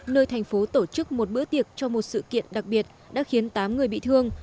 nơi thành phố tổ chức một bữa tiệc cho một sự kiện đặc biệt đã khiến tám người bị thương